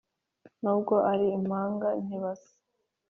nubwo ari impanga ntibasa